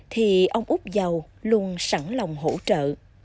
thì ông út giàu luôn sẵn lòng hỗ trợ